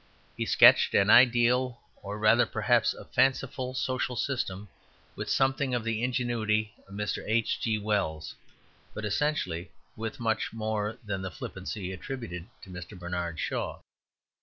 He sketched an ideal, or rather perhaps a fanciful social system, with something of the ingenuity of Mr. H. G. Wells, but essentially with much more than the flippancy attributed to Mr. Bernard Shaw.